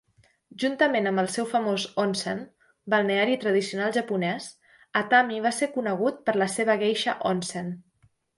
Juntament amb el seu famós "onsen" (balneari tradicional japonès), Atami va ser conegut per la seva geisha "onsen".